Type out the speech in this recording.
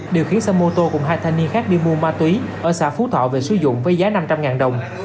điều khiến xe mô tô cùng hai thanh niên khác đi mua ma túy ở xã phú thọ về sử dụng với giá năm trăm linh đồng